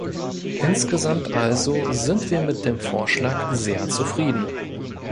Insgesamt also sind wir mit dem Vorschlag sehr zufrieden.